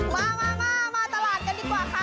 มามาตลาดกันดีกว่าค่ะ